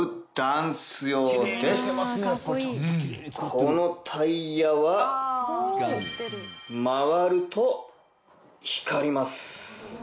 このタイヤは回ると光ります。